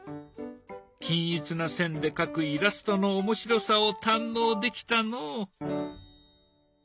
均一な線で描くイラストの面白さを堪能できたのう。